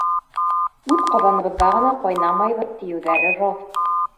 Үҙ ҡаҙаныбыҙҙа ғына ҡайнамайбыҙ, тиеүҙәре раҫ.